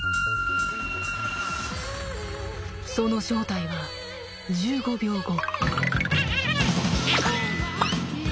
その正体は１５秒後。